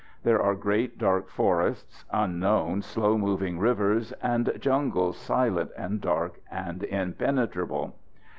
There are great dark forests, unknown, slow moving rivers, and jungles silent and dark and impenetrable.